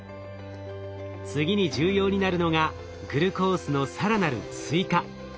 次に重要になるのがグルコースの更なる追加。